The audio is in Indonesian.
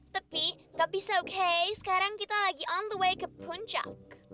tapi gak bisa oke sekarang kita lagi on the way ke puncak